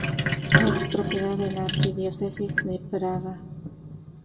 Es propiedad de la Arquidiócesis de Braga.